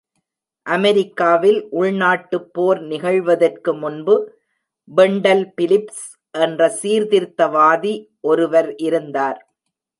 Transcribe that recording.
அமெரிக்காவில் உள்நாட்டுப் போர் நிகழ்வதற்கு முன்பு, வெண்டல் பிலிப்ஸ் என்ற சீர்திருத்தவாதி ஒருவர் இருந்தார்.